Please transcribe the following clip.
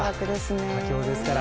佳境ですから。